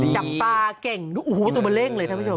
จำปลาเก่งดูตุมเบล้งเลยท่านผู้ชม